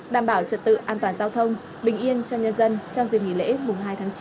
đảm bảo trật tự an toàn giao thông bình yên cho nhân dân trong dịp nghỉ lễ mùng hai tháng chín